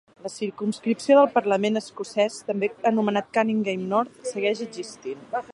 La circumscripció del Parlament escocès també anomenat "Cunninghame North" segueix existint.